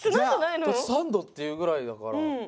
サンドって言うぐらいだから。